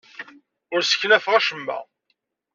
Ur sseknafeɣ acemma.